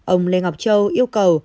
ông lê ngọc châu yêu cầu